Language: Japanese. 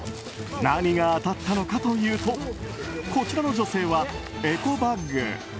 何が当たったのかというとこちらの女性はエコバッグ。